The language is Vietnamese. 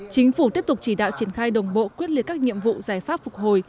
chính phủ tiếp tục chỉ đạo triển khai đồng bộ quyết liệt các nhiệm vụ giải pháp phục hồi